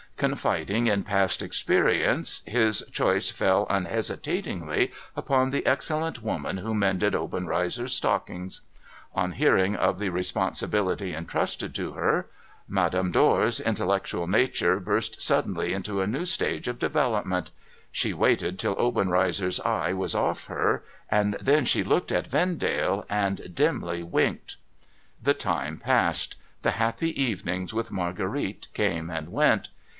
Confiding in past experience, his choice fell unhesitatingly upon the excellent woman who mended Oben rcizer's stockings. On hearing of the responsibility entrusted to her, Madame Dor's intellectual nature burst suddenly into a new stage of development. She waited till Obenreizer's eye was off her — and then she looked at Vendale, and dimly winked. The time passed — the happy evenings with Marguerite came and went.